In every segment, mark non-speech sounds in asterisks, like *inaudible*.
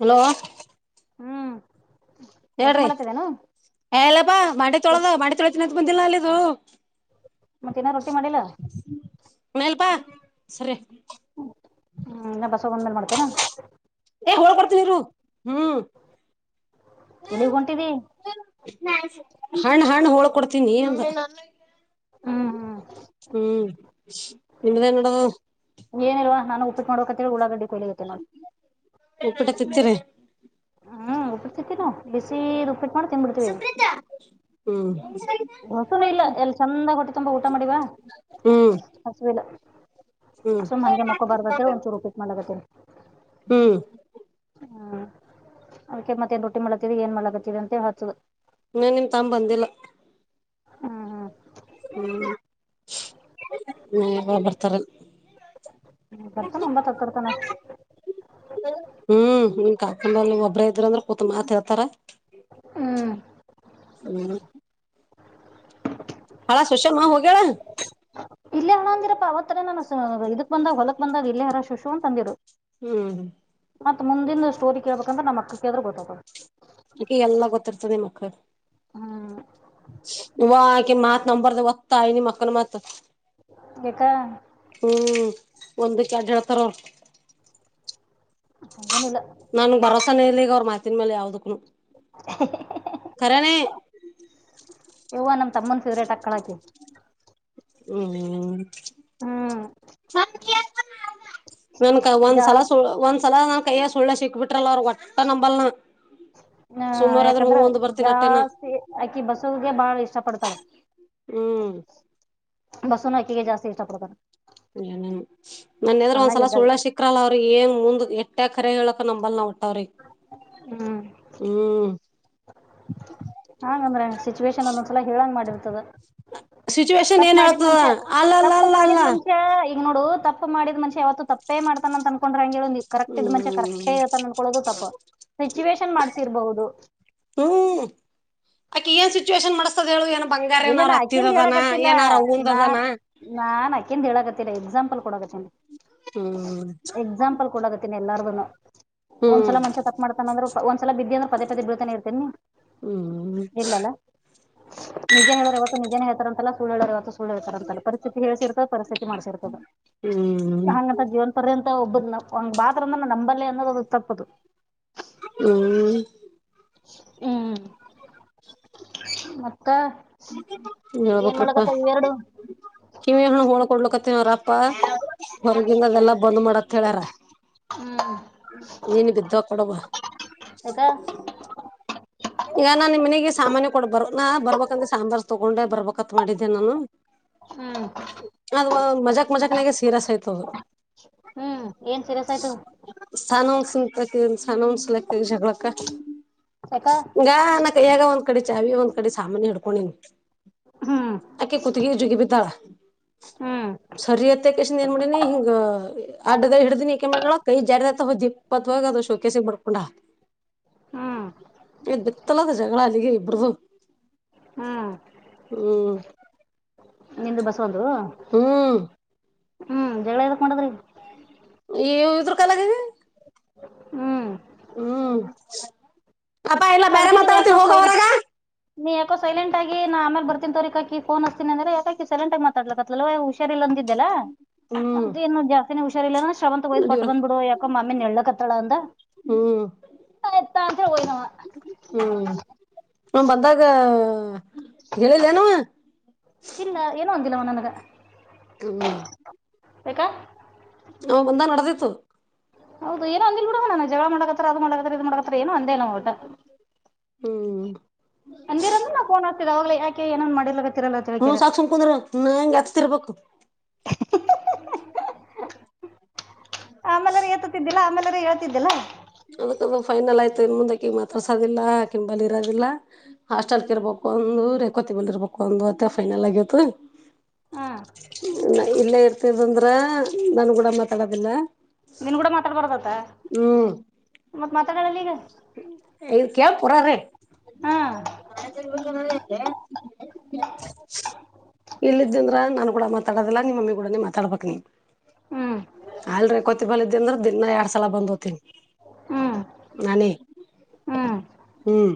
Hello ಹ್ಮ್ ರೊಟ್ಟಿ ಹೇಳ್ರಿ ಮಾಡತ್ತಿದೇನು ಏಲ್ಲಪ್ಪಾ ಮಾಡಿ ತೊಳದ ಮಾಡಿ ತೊಳತಿನಂತ ಬಂದಿಲ್ಲ ಅಲ್ಲಿದು ಮತ್ತೇನ ರೊಟ್ಟಿ ಮಾಡಿಲ್ಲ ಮೇಲ್ಪಾ ಸರಿ ಹ್ಮ್ ನ ಬಸಗಂದ್ಮೇಲೆ ಮಾಡ್ತೇನಾ ಹೋಳ್ ಬಡ್ತನಿರು ಹ್ಮ್ ಎಲ್ಲಿಗ್ ಹೊಂಟಿದ್ದಿ ಹಣ್ಣ ಹಣ್ಣ ಹೋಳ್ ಕೊಡ್ತೀನಿ ಹ್ಮ್ ಹ್ಮ್ ಹ್ಮ್ ನಿಮ್ದೇ ನೋಡದು ಏನಲ್ ನಾ ಉಪ್ಪಿ ಮಾಡಬೇಕಕ ಉಳ್ಳಾಗಡ್ಡಿ ಕೊಯ್ಲಿಕತ್ತೇನಿ ನೋಡ್ ಪ್ಪಟ ತಿತ್ತೀರ ಸಿ ನ ಬಿ ರೂಪಿ ಸುಮ್ರತಾ ಹ್ಮ್ ಹಸುನು ಇಲ್ಲ ಎಲ್ ಚಂದ *inaudible* ಹ್ಮ್. ಹಸವಿಲ್ಲ. ಹ್ಮ್ ಸುಮ್ ಹಂಗೆ ಮಕ್ಕೊ ಬರ್ಬತ್ತ ಅಂತ ಹೇಳಿ ಒಂಚೂರು ಉಪ್ಪಿಟ್ಟು ಮಾಡಕ್ಕತ್ತೀನಿ. ಹ್ಮ್ ಹ್ಮ್ ಅದಕ್ಕೆ ಮತ್ತೆ ನ್ ರೊಟ್ಟಿ ಮಾಡತರಿ ಏನ್ ಮಾಡಕತ್ತರಿ ಅಂತ ಹೇಳಿ ಹಚ್ಚುದು. ನಿಮ ತಮ್ಮ ಬಂದಿಲ್ಲ. ಹ್ಮ್ ಹ್ಮ್ ಹ ಬರ್ತಾರ. ಹ್ಮ ಬರ್ತನ ಒಂಬ ತ ತರ್ತಾನ. *unintelligible* ಒಬ್ಬ್ರ ಇದ್ರಂದ್ರ ಕೂತ್ ಮಾತ್ ಹೇಳ್ತಾರೆ. ಹ್ಮ್ ಹ್ಮ್. *inaudible* ಸೊಸೆ ಹೋಗಳ. ಇಲ್ಲೇ ಹಣ ಅಂದಿರಪ್ಪಾ ಅವತ್ತರ ನಾನ ಇದಕ್ ಬಂದಾಗ ಹೊಲಕ್ ಬಂದಾಗ ಇಲ್ಲೇ ಹರ ಶುಶ್ ಅಂತ ತಂದ್ರು. ಹ್ಮ್. ಮತ್ತತ್ ಮುಂದಿನ ಸ್ಟೋರಿ ಕೇಳಬೇಕಂದ್ರ ನಮ್ಮ ಅಕ್ಕ ಕೇಳಿದ್ರ ಗೊತ್ತಾಗೋಗೋದು. ಅ ಎಲ್ಲಾ ಗೊತ್ತಿರ್ತದೆ ಮಕ್ಕಾ. ಹ್ಮ್. ವ ಆಕೆ ಮತ್ ನಂಬರ್ದ ಅವ್ವ ನೀಮಕ್ಕನ ಮತ್. ಯಾಕ ಹ್ಮ್ ಒಂದಕ್ಕೆ ಅಡ್ ಹೇಳ್ತಾರ ಹಾಗೇನಿಲ್ಲ. ನನ್ಗ್ ಭರೋಸನಲಿಗ ಅವ್ರ ಮಾತಿನ ಮೇಲೆ ಯಾವುದಕ್ಕೂನು. ಹ *unintelligible* ಯವ ನಮ ತಮ್ಮನ ಫೇವ್ರೇಟ್ ಅಕ್ಕಳಕ. ಹೂ. ನನ್ಕ ಒಂದ್ ಸಲ ಜಾಸ್ತಿ ಸ ಒಂದ್ಸಲ. ಕೈಯ ಸುಳ್ಳ ಸಿಕ್ ಬಿಟ್ರಲ್ಲ ಅವ್ರ ಒಟ್ಟ ನಂಬಲ್ ನಾ. ಹ ಸುಮ್ನರ ಆದ್ರ ಹೂ ಯಾಕಂದ್ರೆ ಒಂದ್ ಬರ್ತೀನಿ ಅಟ್ಟೇನ ಜಾಸ್ತಿ ಆಕಿ ಬಸೋದಗೆ ಬಾಳ ಇಷ್ಟ ಪಡ್ತಾಳ. ಹ್ಮ್. ಬಸೋ ನಟಿಗೆ ಜಸ್ತಿ ಇಷ್ಟ ಪಡ್ತ ಇಲ್ಲ ನನ್ ನನ್ನ ಎದ್ರ ಒಂದ್ಸಲ ಸಣ್ಣಾಗಿದ್ದಾಗ ಸುಳ್ಳ ಸಿಕ್ಕ್ರಲ್ಲ ಅವ್ರ ಏನ್ ಮುಂದ್ ಕರೆ ಹೇಳಕ ನಂಬಲ್ ನವುಟ್ಟವ್ರೀ ಹ್ಮ್ ಹ್ಮ್. ಹಂಗಂದ್ರ ಸಿಚುವೇಶನ್ ಒಂದೊಂದ್ಸಲ ಹೇಳಂಗ ಮಾಡಿರ್ತದ. ಸಿಚುವೇಶನ್ ತಪ್ಪ ಏನ್ ಮಾಡಿದ್ ಹೇಳ್ತದ ಮನ್ಷ್ಯ ಅಲ್ಲ ಅಲ್ಲ ತಪ್ಪು ಅಲ್ಲ ಅಲ್ಲ ಮಾಡಿದ್ ಮನ್ಷ್ಯ. ನೋಡು ತಪ್ಪ ಮಾಡಿದ ಮನ್ಷ್ಯ ಯಾವತ್ತು ತಪ್ಪ ಮಾಡತಾನ ಅಂತ ಅನ್ಕೊಂಡ್ರ. ಕರೆಕ್ಟ್ ಇದ್ ಮಂಚೆ ಹ್ಮ್ ಕರೆಕ್ಟೇತ ಅನ್ಕೊಳ್ಳೋದು ತಪ್ಪ ಸಿಚುವೇೇಶನ್ ಮಾಡ್ಸಿರ್ಬಹುದು. ಹ್ಮ್ ಅಕಿ ಏನ್ ಸಿಚುವೇಶನ್ ಮಾಡಸ್ತದ ಹೇಳು ಏನ್. ಬಂಗಾರ ಇಲ್ಲ ಏನಾರ ನಾ ಅಕ್ಕಿ ಅಂತ ಹತ್ತಿದದಾನ ಹೇಳಕತ್ತಲ್ಲ ಏನಾರ ನಾ ಅವಂದದನಾ ನಾನ್ ಅಕ್ಕಿ ಅಂತ ಹೇಳಕತ್ತ. ಎಕ್ಸಾಂಪಲ್ ಕೊಡಗತ್ತ ಹ್ಮ್ ಎಕ್ಸಾಂಪಲ್ ಕೊಡಗತ್ತೇನ ಎಲ್ಲಾರ್ದನು. ಹ್ಮ್ ಒಂದ್ಸಲ ಮನ್ಷ್ಯ ತಪ್ಪ ಮಾಡ್ತಾನ ಅಂದ್ರ ಒಂದ್ಸಲ ಬಿದ್ದಿ ಅ್ರ ಪದೇ ಪದೇ ಬೀಳ್ತಾನೆ ಇರ್ತೇನಿ. ಹ್ಮ್ ಇಲ್ಲಲ್ಲ. ಳ್ಳವತ್ತು ನಿಜೇಳ್ತಾರ ಅಂತ ಸುಳ್ಳರು ಇವತ್ತು ಸುಳ್ಳುಳ್ತಾರ ಅಂತ ಪರಿಸ್ತಿತಿ ಹೇಳ್ಸಿರ್ತದ ಪರಿಸ್ಥಿತಿ ಮಾಡ್ತಿರ್ತದ. ಹ್ಮ್ ಹಂಗಂತ ಜೀವನ್ ಪರ್ಯಂತ ಒಬ್ಬ ಹಂಗ ಬಾಂದ ನಂಬಲ್ಲೆ ಅನ್ನೋ ಅದು ತಪ್ಪದು. ಹ್ಮ್. ಹ್ಮ್ *unintelligible* ಮತ್ತೆ *unintelligible* ಏನ್ ಮಾಡಕತ್ತ ಇವೆರಡು. ಕಿವ ಹ ಹೋಣ ಕೊಡ್ಲಕತ್ತರಾಪ್ಪ ಹೊರಗಿಂದಲ್ಲ. ಬಂದ್ ಮಾಡಕ್ ಹೇಳಾರ. ಹ್ಮ್ ನೀನ್ ಬಿದ್ದ ಕೊಡಬ. ಯಾಕ ಈಗ ನಾನ್ ನಿ ಮನೆಗೆ ಸಾಮಾನ್ಯ ಕೊಡ ಬರ್ ನಾ ಬರ್ಬೇಕಂದ ಸಾಂಬಾರ್ ತೊಗೊಂಡೆ ಬರ್ಬತ್ ಮಾಡಿದ್ದೆ ನಾನು. ಹ್ಮ್ ಅದ ಮಜಾಕ್ ಮಜಾಕ್ನಾಗ ಸೀರಸ್ ಆಯ್ತದು ಹ್ಮ್ ಏನ್ ಸೀರಿಯಸ್ ಆಯ್ತು ಸ್ನನ್ಸ ಸ್ನ ಒಂದ್ಸಲಕ್ಕ ಜಗಳಕ್ಕ ಸಕಾ ಹಂಗಾ ನ ಕೈಯ್ಯಾಗ ಒಂದ್ ಕಡೆ ಚಾವಿ ಒಂದ್ ಕಡೆ ಸಾಮಾನು ಹಿಡ್ಕೊಂಡನ್ ಹ್ಮ್ ಅಕ್ಕೆ ಕುತ್ಗೆ ಜುಗಿ ಬಿದ್ದಾಳ ಹ್ಮ್ ಸರಿಯತ್ತ ಕೆಷ್ಟ್ಣ ಏನ್ ಮಾಡನಿ ಹಿಂಗ ಅಡ್ಡಗ ಹಡಿನಿಏಕ ಮಾಡಳ ಕೈ ಜಾರ ಆತ ಹ ದಿಪ್ಪತ್ ಅದು ಶೋಕೇಸಿ ಮಾಡಕೊಂಡ ಹ್ಮ ಎ್ದತ್ತಲದು ಜಗಳ ಅಲ್ಲಿಗೆ ಇಬ್ರದುು ಹ್ಮ್ ಹ್ಮ್ ನಿಂದು ಬಸ ಒಂದು ಹ್ಮ್ ಹ್ಮ್ ಜಗಳ ಎಕೊಂಡದ್ರೀ ಈ ಇದ್ರ ಕಾಲಗಿದೆ ಹ್ಮ್ ಹ್ಮ್ ಅಪ್ಪಾ ಇಲ್ಲ ಬೇರೆ ಅದಕ್ಕೆ ನೀ ಯಾಕೋ ಮಾತಾಡ್ತೀನಿ ಹೋಗ ಸೈ ಹೊರಗ ನೀ ಯಾಕೋ ಸೈಲೆಂಟ್ ಆಗಿ ನಾ ಆಮೇಲೆ ಬರ್ತ ಕಾಕಿಫೋನ್ಸ್ತನ ಅಂದ್ರ ಯಾಕ ಸೆಲೆಂಟ ಮಾತಾಡ್ಲಕ್ ಹುಷಾರಿಲ್ಲ ಅಂದಿದ್ದಲ್ಲ ಹ್ಮ್ ಅಂತ ಇನ್ನು ಜಾಸ್ತಿನ ಹುಷಾರಿಲ್ಲ ಶಾವಂತ ಒಯ್ದ್ ನಡಿಯೋ ಕೊಟ್ಟು ಬಂದ್ಬಿಡು ಯಾಕ ಮಾಮ್ಮಿನ್ ಎಳ್ಳಕತ್ತಳ ಅಂದ ಹ್ಮ್ ಎ ತಂತ ಹಯನ ಹ್ಮ್ ಹ ಬಂದ ಗೇ ಲೇನವ ಇಲ್ಲ ಏನ ಆಂಗಿಲ್ಲ ಅವ ನನಗ ಹ್ಮ್ ಬೇಕಾ ನಾವು ಬಂದ ನಡೆದಿತ್ತು ಹೌದು ಏನೋ ಅಂದಲ್ ಬಿಡುವಣ ನ ಜಗಳ ಮಾಡಕತ್ತ ಅದ್ ಮಾಡಕತ್ತ ಇದ್ ಮಾಡಕತ್ರ ಏೋ ಅಂದೇ ನ ಒಟು ಹ್ಮ್ ಅಂದಿರಂದ ನಾ ಫೋನ್ ಆಗ್ತಿದೆ ಅವಾಗ್ಲ ಯಾಕೆ ಏನನ್ ಮಾಡಿಲ ಗತ್ತರಲ್ಲ ತಿಳ್ಕರ ಸಖು *unintelligible* *unintelligible* ಆಮೇಲೆರೂ ಎತ್ತತಿದ್ದಿಲ್ಲಾ ಆಮೇಲೆಾರ ಹೇಳ್ತಿದ್ದಿಲ್ಲಾ ಅದಕ್ಕದು ಫೈನಲ್ ಆಯ್ತು ಇನ್ ಮುಂದೆಕ್ಕೆ ಮಾತ್ರಸೋದಿಲ್ಲ ಕಿಂಬಲ್ಲಿ ಇರೋದಿಲ್ಲ ಹಾಸ್ಟೆಲ್ ಕ ಇರ್ಬ ಒಂದು ರ ಕೊತಿ ಬಲ್ಲಿ ಇರ್ಬೇಕು ಒಂದು ಅತ್ತ ಫೈನಲ್ ಆಗಿತ್ತು ಹ್ಮ್ ಇಲ್ಲೇ ಇರ್ತಿದ್ದ ಅಂದ್ರ ನಾನು ಕೂಡ ಮಾತಾಡದಿಲ್ಲ ನಿನ್ ಕೂಡ ಮಾತಾಡಬಾರದತ್ತ ಮತ್ ಮಾತಾಡಲ್ಲ ಈಗ ಇ ಕೇಳ್ರೀ ಹಾ *unintelligible* ಇಲ್ಲ ಇದ ಅಂದ್ರ ನಾನನ್ ಕೂಡ ಮಾತಾಡದಿಲ್ಲಾ ನಿಮ್ಮ ಮಮ್ಮಿ ಕೂಡನೆ ಮಾತಾಡ್ಬೇಕಕ್ ನೀ ಹ್ಮ್ ಅಲ್ರೀ ಕೊತಿಬಲ್ ಇದ್ದ ಅಂದ್ರ ದಿನ ಎರಡ್ ಸಲ ಬಂದೋತನ್ ಹ್ಮ್ ನಾನಿ ಹ್ಮ್ ಹ್ಮ್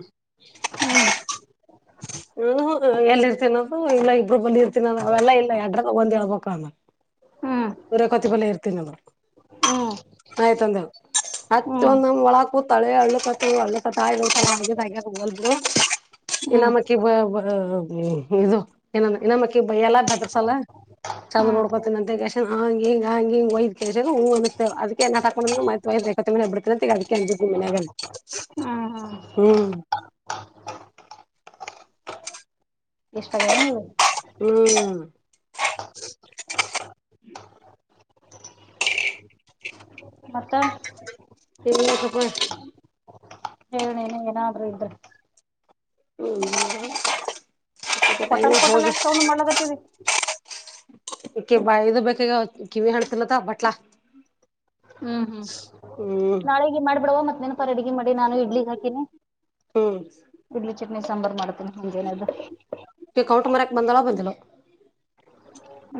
ಹ್ಮ್ *unintelligible* ಹ ಎಲ್ಲಿ ಇರ್ತೀನದು ಇಲ್ಲ ಇಬ್ಬ್ರಬ್ ಬಳ ಇರ್ತೀನದು ಅವೆಲ್ಲ ಇಲ್ಲ ಎಡ್ರಗ ಬಂದ ಹೇಳ್ಬಬೇಕ ಹ ಹೊರ ಕೊತಿ ಬಲ್ಲ ಇರ್ತೀನಲ್ಲ ಹ್ಮ್ ಆಯ್ತ ಅಂದ ಅತ್ತ ಹ್ಮ್ ಒಂದ್ ನಮ್ ಒಳಾಕ್ ತಳೆ ಅ *unintelligible* ಇನಮ್ಮಕ್ಕಿ ಬ ಇದು ಏನ ಇನಮ್ಮಕ್ಕಿ ಎಲ್ಲ ಬೆಟರ್ಸಲ ಸೌ ಹ್ಮ್ ನೋಡ್ಕೋತಿನಿ ಅಂತ ಹ ಹಿ ಹಂಗ ಹಿಂಗಯ್ ಹ ಅದಕ ತಕೊಂಡ್ರ ನಬತಗ ಕೆ ಗುಮೆ ಹ್ಮ್ ಹ್ಮ್ ಎಷ್ಟಾಗವೆ ನೀವು ಹ್ಮ್ ಮತ್ತ ಎಗಲ್ಲ ಕಪ ಹೇಳ ಏನಾದ್ರು ಇದ್ರೆ ಹ್ಮ್ ಹೋಟಲ್ ಕೊೋಟಲ್ ಯಾಕ ಸಾಂಡ ಮಾಡ್ಲಗತ್ತರಿ ಕ ಬ ಇದು ಬೇಕ ಈಗ ಕಿವಿ ಹಣತನತ ಬಟ್ಲಾ ಹ್ಮ್ ಹ್ಮ್ ಹ್ಮ್ ನಾಳಿಗೆ ಮಾಡ್ಬಿಡವಾ ಮತ್ತತ್ ನೆನಪರ ಅಡ್ಿಗೆ ಮಾಡಿ ನಾನು ಇಡ್ಲಿ ಹಾಕೀನಿ ಹ್ಮ್ ಇಡ್ಲಿ ಚಟ್ ನಿಸಂಬರ್ ಮಾಡ್ತೇನಿ ಮುಂಜೆೇನದ್ದು ಕೌಂಟರ್ ಮರಕ್ ಬಂದಳ ಬಂದಿಲ್ಲ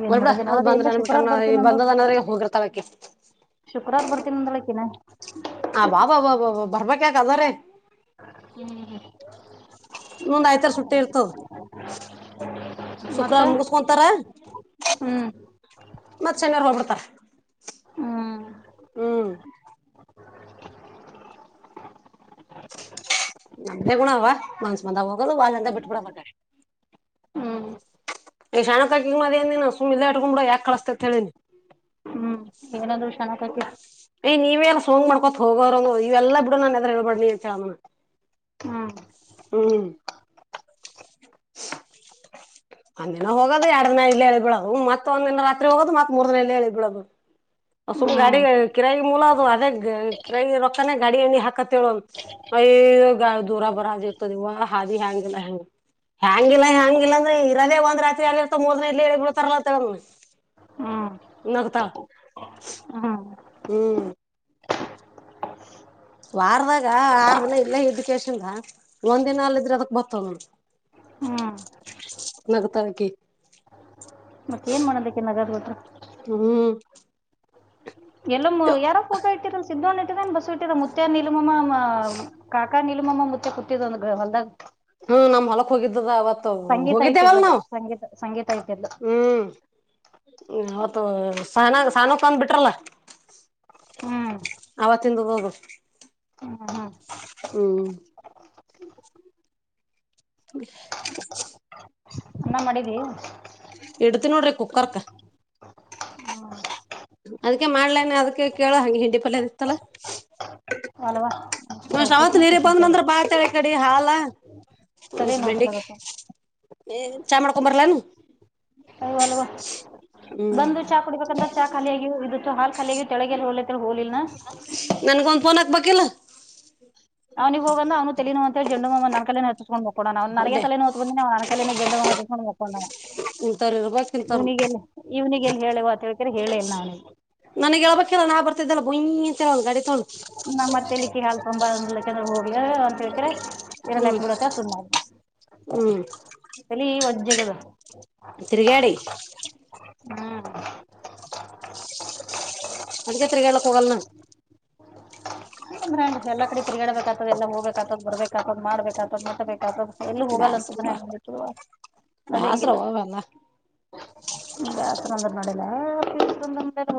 ಏನ್ ನಬಡ ಮಾಡೋದು ಅದ ನಾವು ಬಂದ್ರ ಏನ್ರ ಅನ್ ಬಿಿಟ್ರ ಶುಕ್ರವಾರ ಬಂದದದ್ರೆ ಹೋಗ್ರತವಕಿ ಶುಕ್ರವಾರು ಬರ್ತೀನ ಮುಂದ್ಳಕ್ಕಿನ ಆ ಬಾಬಾ ಬ ಬಾಬ ಬರ್ಬೇಕಾಕ್ ಅದಾರ ಒಂದ್ ಆಯ್ತಾರ ಸುಟ್ಟಿ ಇರ್ತವ ಮತ್ತ ಶುಕ್ರಾರ ಮುಗಸ್ಕೊಂತಾರ ಹ್ಮ್ ಮತ್ತ್ ಶನಿವಾರ ಹೋಗ್ಬಿಡ್ತಾರ ಹ್ಮ್ ಹ್ಮ್ ನಮ್ದೇ ಗುಣವಾ ಮನ್ಸ್ ಮಂದಾಗ ಹೋಗದು ವಲ್ಂತ ಬಿಟ್ಬಿಡ ಮಷ್ಟ ಹ್ಮ್ ಶಣ ತಕಂಗ ಮದ್ ಏನಿನ ಸುಮ್ ಇಲ್ಲ ಇಟ್ಕೊಂಡಳ ಯಾಕ್ ಕಳಸ್ತೇತ್ ಹೇಳಿನಿ ಏನಾದ್ೂ ಶಣಕ್ ಕಾಕಿ ಯ್ ನೀವೇ ಎಲ್ಲ ಸೋಂಗ್ ಮಾಡ್ಕೊ ಹೋಗೋ್ರ ಇವೆಲ್ಲ ಬಿಡು ನಾನ ಎದ್ರರು ಹೇಳ್ಬಡಡ್ನಿ ಚಾಮನ ಹ್ಮ್ ಹ್ಮ್ *inaudible* ಒಂದಿನ ಹೋಗೋದು ಎರಡ್ನಿನ ಇಲ್ಲ ಎ ಹೇಳಿಬಿಳೋದು ಮತ್ತ ಒಂದ ದಿನ ರಾತ್ರಿ ಹೋಗೋದು ಮತ್ ಮೂರ್ ದನಿನ ಇಲ್ಲ ಎ ಹೇಳಳ್ಬ ಬಿಳೋದು ಅಸು ಹ್ಮ್ ಗಾಡಿ ಕಿರಾಯಿ ಮೂಲಅದು ಅದೇ ಕಿರಿ ರೊಕ್ಕಾನ ಗಾಡಿ ಎಣ್ಣಿ ಹಾಕ ಹೇಳೇಳ ಯ ದೂರ ಬರದಿ ಇರ್ತದ ಇವ ಹಾದಿ ಹೆ್ಯಾಂಗಲ್ಲ ಹೆಂಗ ಹ್ಯಾಂಗಿಲ್ಲಾ ಹೆ್ಯಾಂಗಿಲ್ಲಾ ಅಂದ್ರೆ ಇರದೇ ಒಂದ್ ರಾರಿ ಅಲ್ಲಿ ಇರ್ತ ಮೊದನ ಇಲಿ ಬಿಳತಾರ ಅಂತ ಹೇಳ ಹ್ಮ್ ಹ್ಮ್ ಹ್ಮ್ ವಾರದಾಗ ಆರ್ ದಿನ ಇಲ್ಲೇ ಇದಕೇಶನ್ದ ಒಂದ್ ದಿನ ಅಲ್ಲ ಇದ್ರೆ ಅದಕ್ ಬತದದ್ ಹ್ಮ್ ನಗ್ತಳಕಿ ಮತ್ತೆ ಏನ್ ಮಾಡೋದಕ್ಕೆ ನಗದ ಗೊದ *unintelligible* ಎಲ್ಲ ಯಾರ ಫೋಟೋ ಇಟ್ಟಿರ ಸಿದ್ದೊಂಡ್ ಇಟ್ಟರ ಬಸ್ ಇಟ್ಟಿರ ಮ ಮುುತ್ತ ನೀಲಮಮ್ಮ ಕಾಕಾ ನೀ ಮಮ್ಮ ಮುಚ್ಚೆ ಕುಟ್ಟಿದ್ ಒಂದು ಹೊಲದಾಗ ಹ್ಮ್ ನಮ್ ಹಲಕ್ ಹೋಗಿದ್ದದ ಅವತ್ ಸಂಗೀತ ಹೋಗಿದ್ದೇವಲ್ ಇಟ್ಟಿದ್ಲದು ನಾವು್ ಸಂಗೀತ ಸಂಗೀತ ಇಟ್ಟಿದ್ಲು ಹ್ಮ್ ್ಮ ಅವತ್ತು ಸಾನ ಸಾನಕಂದ ಬಿಟ್ರಲ್ಲ ಹ್ಮ್ ಅವತ್ತಿಂದ ಹೋಗೋಗ ಹ್ಮ್ ಹ್ಮ್ ಹ್ಮ್ ಹ ಉಣ್ಣ ಮಾಡಿದ್ದೀವಿ ಎಡ್ತನಡ್ರ ಕುಕ್ಕರ್ಕ್ಕೆ ಹ್ಮ್ ಅದಕ ಮಾಡ್ಲೇನೆ ಅದ್ಕ್ಕೆ ಕೇಳ ಹಂಗಗೆ ಹಂಡಿ ಪಲ್ಯದ ಇತ್ತಲ್ಲ ಅಲ್ವಾ ಸುಮ್ನೆ ಉಪ್ಪಿಟ್ ಶಾವತ್ ನೀರಿ ಬಂದ್ ಮಾಡ್ತೇಕಂತಲ್ಲ ನಂದ್ರ ಬಾತಳ ಕಡೆ ಹಾಲ ಹ್ಮ್ ತಲೆ ಬೆಂಡಿಕೈ ನೋಡ್ಸ್ಲಾಗತ್ತ ಏ ಚಾಮಂಡಕಂಬರ್ಲಾನು ಅಯ್ಯೋ ಅಲ್ವಾ ಬಂದು ಚಾ ಕುಡಿಬೇಕಂದ್ರ ಚಾ ಖಾಲಿಯಾಗಿ ಇತ್ತು ಹಾ ಖಾಲಿಿಯಾಗಿ ತಳಗೆಲ್ಲಿ ಹೊೋ ನನ್ಗ ಒಂದ್ ಫೋನ್ ಹಾಕ್ಬೇಕಿಲ್ಲ ಅವ್ನಿಗೆ ಹೋಗಂದ ನ ಅವನು ತಲನು ಅಂತ ಜಂಡುಮ್ಮ ನನ್ ಕಲೆೇ ಹಚ್ಸ್ಕೊಂಡ್ಬೇಕು ಕೊಡಣ ನ್ ನನಗೆ ಹೊಡ್ಡೆ ತಲಿ ನೌಲತಿದ ಆಂದುರ್ ಬಂದ ನನಕೈಲನ ಜೆಂಡ ಹೊತ್ತಿಸಕೊಂಡ್ ಹ್ೊಂಡಣ ಇಂತವ್ರು ಇರ್ಬೇಕ್ ಇಂತವ್ರು ಇವ್ನಿಗೆಲ್ಲಿ ಇವ್ನಿಗೆ ಎಲ್ಲಿ ಹೇಳೇತ್ ಹೇಳ್ತಾರೆ ಹೇಳೇಲ್ ನಾವ್ನಿಗೆ ನನಗ್ಗೆೇಳ್ಬೇಕಲ್ಲ ನಾ ಬರ್ತಿದ್ದಲ್ಲ ಬಯಂಲ್ಲ ಒ ಗಾಡಿ ತಗೊಂಡು ನಮ್ಮತ್ತೆಲಿಕ್ಕೆಿ ಹಾಲ್ಕೊಂಬಂದಂದ್ರ ಹೋಗಿ ಅಂತೇಳ್ಕ್ರೆ ಇರಲ್ಲಾಕ್ ಬಿಡಾಕಾ ಸುಮ್ನೆ ಅದನ್ ಹೂ ತಲಿ ಒಜ್ಜಿ ಆಗ್ಯದ ತಿರುಗಾಡಿ ಹ ಅದಕ್ಕೆ ನಾ ತಿರಗ್ಯದ ಹೋಗಲ್ಲನ ಹಾ ಎಲ್ಲ ಕಡೆ ತಿಗಾಬೇಕತದೆಲ್ಲ ಹೋಗ್ಬೇಕಕ್ತದ ಬರ್ಬೇಕಗ್ತದ್ಬೇಕಕ್ತದ ಮಟ್ಬೇಕಕ್ತದ ಎಲ್ಲೂ ಬ್ಯಾಸ್ ಬಾ ಹೋಗಲ್ಲಂತದ್ರಿದ ನಡೆಂಗಿಲ್ಲ ಬ್ಯಾಸ್ರವ್ವ ಅವೆಲ್ಲ ಯಾರು ನಲ್ಲ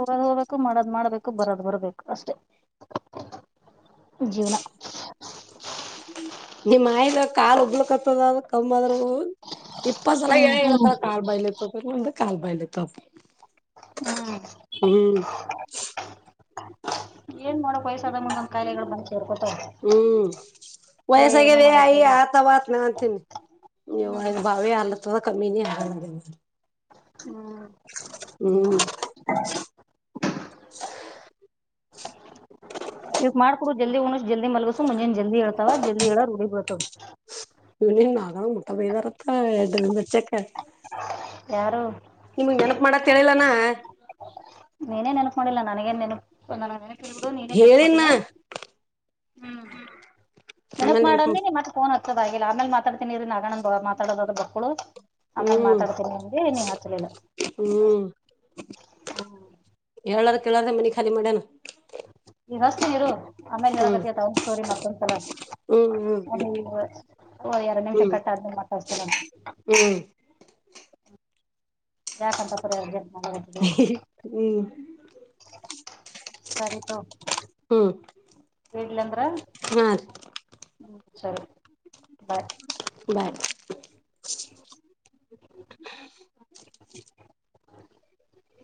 ಹೋಗ್ ಹೋಗಬೇಕು ಮಾಡದ್ ಮಾಡ್ಬೇಕು ಬರದು ಬರಬೇಕು ಅಷ್ಟೇ ಜೀವನ ನಿಮ್ಮಯಿದ ಕಾರ್ ಉಗ್ಲಕ್ ಆತದ ಕಮ್ಮದರು ಪ್ಪಸಲ ಹ್ಮ್ ಕಾಲ್ ಬಾಯಲ ತಪ ಇ ಒಂದ ಕಾಲ್ ಬಾಯಲ ತಪ್ಪ ಹೂ ಹ ಏನ್ ಮಾಡ ಪಯಸ ಅದ ಮುಂದೊಂದ್ ಕಾಯಿಲೆಗಳು ಬಂದ ಸರ್ಕೊತ ವಯಸ್ಸಾಗ್ಯವ ಅಯ ಆತ ಆತ ನ ಅಂತೀನಿ ನೀ ಬಾವಿ ಅಲ ಕಮ್ಮಿ ನೀ ಹ ಹ್ಮ್ ಹೂ ಇವಕ್ ಮಾಡ್ಕೊಡ ಜಲ್ದಿ ಉಣ ಜಲ್ದಿ ಮಲ್ಗಸು ಮುಂಜೆ ಜಲ್ದಿ ಹೇಳ್ತವ ಜಲ್ದಿ ಎ ಹೇಳ ರೂಡಿ ಬೀಳ್ತದ ನೀಾಗ ಮುಟ್ಟಾ ಬೈದಾರತ್ತ ಎ ಬಚ್ಚಕ್ಕೆ ಯಾರು ಮಾಡತ್ತ ಅಂತ ನಾ ಹೇಳಿಲ್ಲ ನಾ ನೀನೇ ನೆನಪ ಮಾಡಿಲ್ಲ ನನಗೇನ್ ನೆನಪ ನನಗ ನೆನಪುಿಳ್ಬಿಡು ನೀನೇ ನೆನಪು ಹೇಳಿನ ಮಾಡಿಲ್ಲಾ ಹೂ ನೆನಪ ಆಮೇಲೆ ನೆನ್ಪ ಮಾಡಣಿ ಮತ್ತೆ ಫೋನ್ ಹತ ದ ಆಗಲ್ಲ ಮೇಲೆ ಮಾತಾಡ್ತೀನಿ ರೀ ನಾಗಣ್ಣ ಮಾತಾಡ ಆದ ಬೊಕ್ಳು ಅಮ್ಮನ್ ಹ್ಮ್ ಮಾತಾಡ್ತೀನಿ ನನ್ಗೆ ನೀ ಹತ್ತಲಿಲ್ಲ ಹ್ಮ್ ಹೂ ಹೇಳಾರ ಕೇಳಿದ್ರ ಮನೀ ಖಾಲಿ ಮಾಡೇಣ ಈಗಷ್ಟ ಇರು ಆಮೇಲೆ ಹ್ಮ್ ಹೇಳಕತಿ ತ ಒ ಸ್ಟೋರಿ ಮತ್ತೊಂದ್ಸಲ ಹ್ಮ್ ಹ್ಮ್ ಎರಡು ನಿಮಿಷ ಕಟ್ಟಾದ್ಮೆ ಮತ್ತೆ ಅಚ್ಚನ ಅಂತ ಹೂ ಹ ಯಕಂತ ಪರ ಹ್ಮ್ ಹ್ಮ್ ಹ್ಮ್ ಸರಿ ತಗೋ ಹೂ ಹ ಹೂ ಹ ಸರಿ ಬಾಯ್ ಬಾಯ್ ಹ ಹ